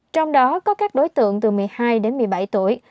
trong đó có các đối tượng từ một mươi hai đến một mươi bảy tuổi